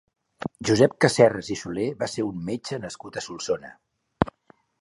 Josep Casserras i Solé va ser un metge nascut a Solsona.